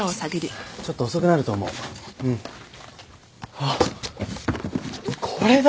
あっこれだ！